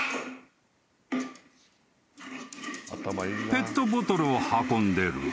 ［ペットボトルを運んでる。